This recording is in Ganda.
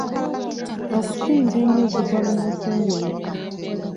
Okusinga ennyo zigwa mu Museenene.